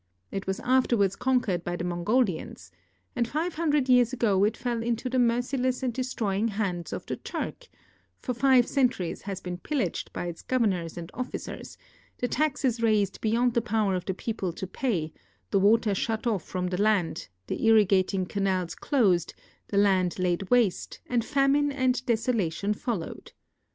It was afterwards conquered by the Mongolians, and five hundred years ago it fell into the merciless and destroying hands of the Turk ; for five centuries has been pillaged by its governors and officers ; the taxes raised beyond the power of the people to pay, the water shut off from the land, the irrigating canals closed, the land laid waste, and famine and desolation followed.